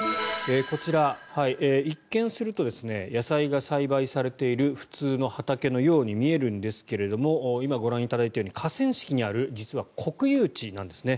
こちら、一見すると野菜が栽培されている普通の畑のように見えるんですけども今、ご覧いただいたように河川敷にある実は国有地なんですね。